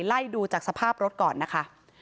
ไล่ดูจากสภาพรถก่อนนะคะ